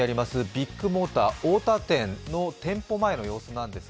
ビッグモーター太田店の店舗前の様子です。